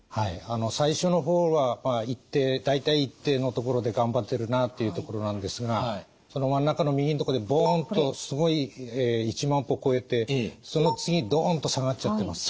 最初の方は大体一定のところで頑張ってるなというところなんですがその真ん中の右のところでボンとすごい１万歩超えてその次ドンと下がっちゃってます。